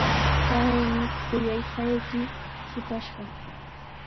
Paymi kuyanqayki shipashqa.